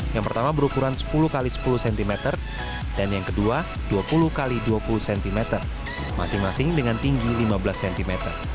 yang pertama berukuran sepuluh x sepuluh cm dan yang kedua dua puluh x dua puluh cm masing masing dengan tinggi lima belas cm